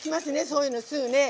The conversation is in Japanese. そういうのすぐね。